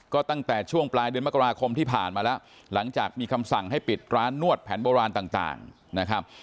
ก็ตั้งแต่ช่วงปลายเดือนมกราคมที่ผ่านมาแล้วหลังจากมีคำสั่งให้ปิดร้านนวดแผนโบราณต่างนะครับ